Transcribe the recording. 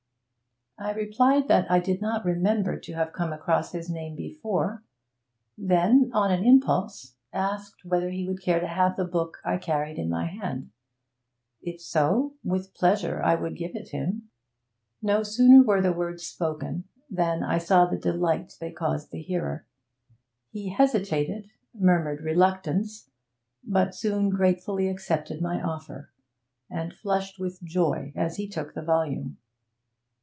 I replied that I did not remember to have come across his name before; then, on an impulse, asked whether he would care to have the book I carried in my hand; if so, with pleasure I would give it him. No sooner were the words spoken than I saw the delight they caused the hearer. He hesitated, murmured reluctance, but soon gratefully accepted my offer, and flushed with joy as he took the volume.